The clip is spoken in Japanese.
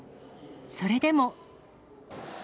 それでも。